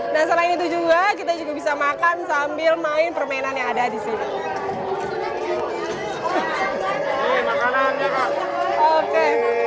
nah selain itu juga kita juga bisa makan sambil main permainan yang ada di sini